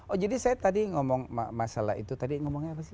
oh jadi saya tadi ngomong masalah itu tadi ngomongnya apa sih